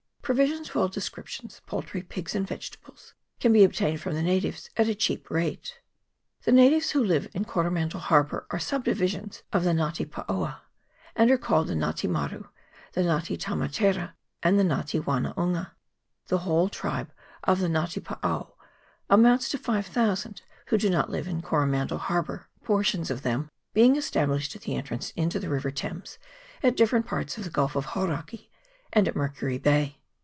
Provisions of all descriptions, poultry, pigs, and vegetables, can be obtained from the natives at a cheap rate. The natives who live in Coromandel Harbour are subdivisions of the Nga te paoa, and are called the Nga te maru, the Nga te tamatera, and the Nga te wanaunga. The whole tribe of the Nga te paoa amounts to 5000, who do not all live in Coro mandel Harbour, portions of them being established VOL. i. T 274 RIVER THAMES. [PART II. at the entrance into the river Thames, at different parts of the Gulf of Hauraki, and at Mercury Bay.